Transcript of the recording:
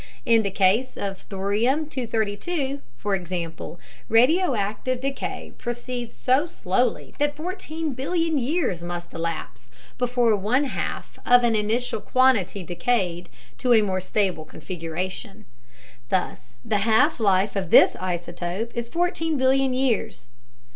In the case of thorium 232, for example, radioactive decay proceeds so slowly that 14 billion years must elapse before one half of an initial quantity decayed to a more stable configuration. Thus the half life of this isotope is 14 billion years.